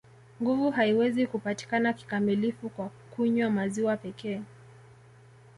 Nguvu haiwezi kupatikana kikamilifu kwa kunywa maziwa pekee